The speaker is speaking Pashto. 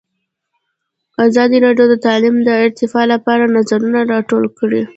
ازادي راډیو د تعلیم د ارتقا لپاره نظرونه راټول کړي.